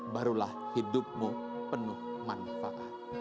barulah hidupmu penuh manfaat